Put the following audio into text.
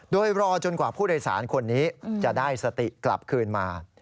โดยรอจนกว่าผู้โดยสารคนนี้จะได้สติกลับคืนมา